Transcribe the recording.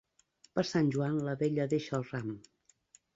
Per Sant Joan la vella deixa el ram.